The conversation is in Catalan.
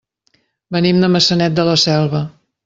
Venim de Maçanet de la Selva.